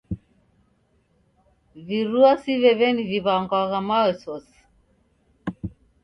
Virua si veveni viw'angwagha maosiyosi?